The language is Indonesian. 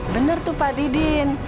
bener tuh pak didin